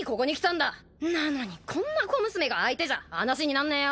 なのにこんな小娘が相手じゃ話になんねえよ。